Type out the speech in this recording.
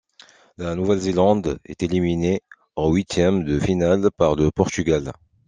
La Nouvelle-Zélande est éliminée en huitièmes de finale par le Portugal.